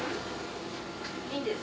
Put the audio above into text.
いいんです。